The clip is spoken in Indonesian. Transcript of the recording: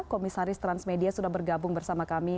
komisaris transmedia sudah bergabung bersama kami